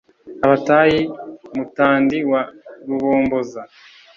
abatayi, mutandi wa rubomboza,